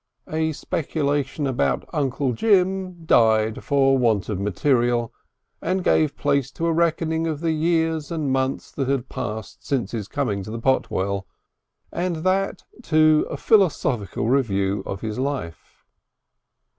A speculation about Uncle Jim died for want of material, and gave place to a reckoning of the years and months that had passed since his coming to Potwell, and that to a philosophical review of his life.